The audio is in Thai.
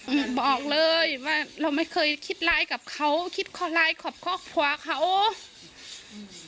อืมบอกเลยว่าเราไม่เคยคิดไรกับเขาคิดอะไรกับข้าวเขาอืม